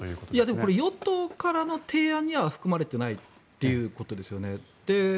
でも、与党からの提案には含まれていないということですよね。